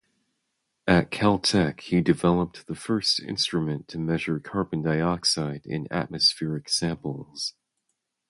At Caltech he developed the first instrument to measure carbon dioxide in atmospheric samples.